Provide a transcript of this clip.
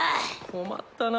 困ったな。